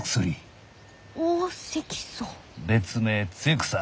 別名露草。